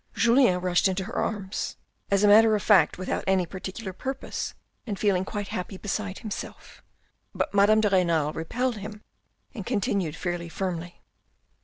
Julien rushed into her arms, as a matter of fact without any particular purpose and feeling quite beside himself. But Madame de Renal repelled him and continued fairly firmly.